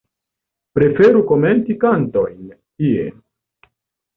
Preferu komenti kantojn tie.